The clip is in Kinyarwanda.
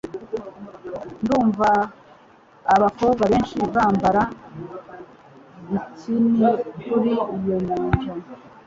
Ndumva abakobwa benshi bambara bikini kuri iyo nyanja.